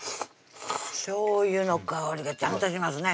しょうゆの香りがちゃんとしますね